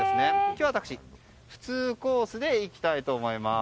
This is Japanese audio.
今日は私、普通コースで行きたいと思います。